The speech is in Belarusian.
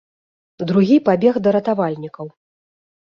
Другі пабег да ратавальнікаў.